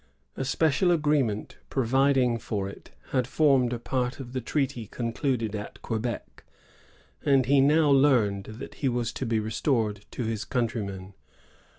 A special agreement providing for it had formed a part of the treaty concluded at Quebec ; and he now learned that he was to be restored to his countrymen.